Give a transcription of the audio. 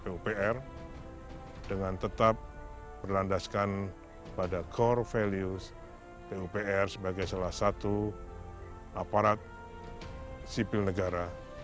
pupr dengan tetap berlandaskan pada core values pupr sebagai salah satu aparat sipil negara